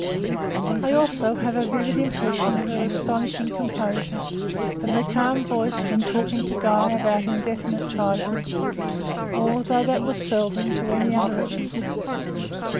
I have also a vivid impression of her astonishing composure, of her calm voice when talking to Guy about indefinite trifles, or, though that was seldom, to any other of us.